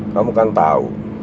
kamu kan tahu